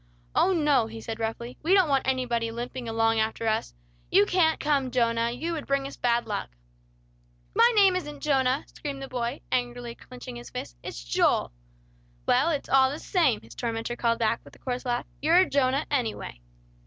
"Oh, no!" he said roughly. "We don't want anybody limping along after us. You can't come, Jonah; you would bring us bad luck." "My name isn't Jonah!" screamed the boy, angrily clinching his fists. "It's Joel!" "Well, it is all the same," his tormentor called back, with a coarse laugh. "You're a Jonah, any way."